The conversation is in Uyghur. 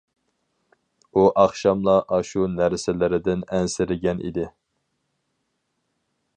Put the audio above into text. ئۇ ئاخشاملا ئاشۇ نەرسىلىرىدىن ئەنسىرىگەن ئىدى.